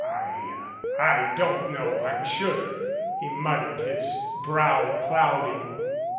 "I I don't know, I'm sure," he muttered, his brow clouding.